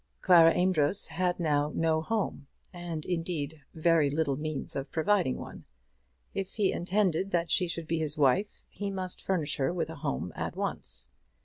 Clara Amedroz had now no home, and, indeed, very little means of providing one. If he intended that she should be his wife, he must furnish her with a home at once.